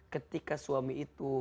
ketika suami itu